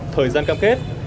thời gian cam kết